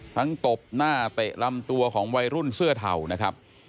ตบหน้าเตะลำตัวของวัยรุ่นเสื้อเทานะครับ